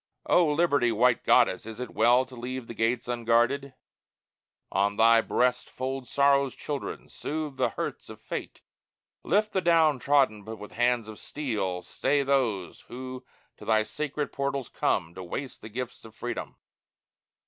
O Liberty, white Goddess! is it well To leave the gates unguarded? On thy breast Fold Sorrow's children, soothe the hurts of fate, Lift the down trodden, but with hands of steel Stay those who to thy sacred portals come To waste the gifts of freedom.